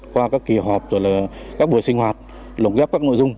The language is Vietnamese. qua các kỳ họp các buổi sinh hoạt lồng ghép các nội dung